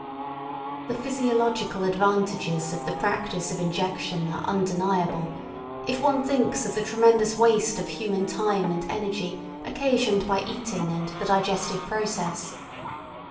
The physiological advantages of the practice of injection are undeniable, if one thinks of the tremendous waste of human time and energy occasioned by eating and the digestive process.